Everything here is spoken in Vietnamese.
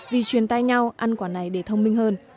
vì truyền tay nhau ăn quả này để thông minh hơn